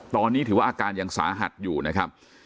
ตอนนี้ถือว่าอาการยังสาหัสอยู่นะครับ